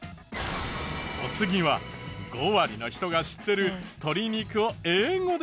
お次は５割の人が知ってる鶏肉を英語で書いて。